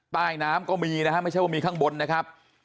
ใต้น้ำก็มีนะฮะไม่ใช่ว่ามีข้างบนนะครับ